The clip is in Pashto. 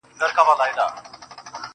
بې کفنه به ښخېږې، که نعره وا نه ورې قامه.